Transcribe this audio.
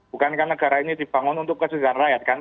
bukankah negara ini dibangun untuk kesejahteraan rakyat kan